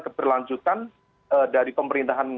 keberlanjutan dari pemerintahan